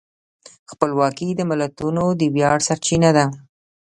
خپلواکي د ملتونو د ویاړ سرچینه ده.